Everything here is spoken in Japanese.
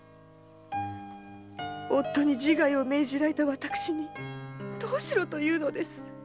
夫に自害を命じられた私にどうしろというのです？